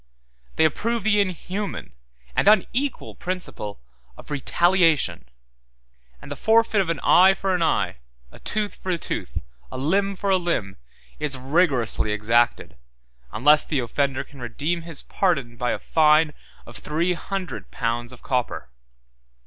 173 They approve the inhuman and unequal principle of retaliation; and the forfeit of an eye for an eye, a tooth for a tooth, a limb for a limb, is rigorously exacted, unless the offender can redeem his pardon by a fine of three hundred pounds of copper.